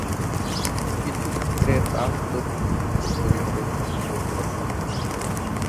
কিছু ক্ষেত্রে তা হতো বন্ধু ও পরিবারের সদস্য সহকারে।